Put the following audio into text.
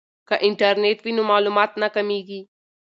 که انټرنیټ وي نو معلومات نه کمیږي.